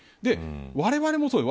われわれもそうです。